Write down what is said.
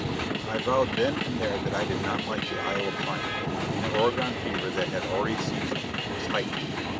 ] I vowed then and there that I did not like the Iowa climate, and the Oregon fever that had already seized me was heightened.